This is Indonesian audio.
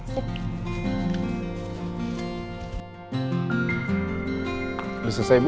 sudah selesai bu